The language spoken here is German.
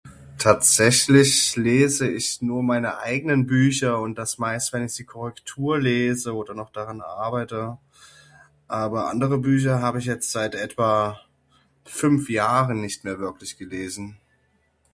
Tatsächlich lese ich nur meine eigenen Bücher und das meist wenn ich Sie Korrektur lese oder noch daran arbeite. Aber andere Bücher hab ich jetzt seit etwa 5 Jahren nicht mehr gelesen.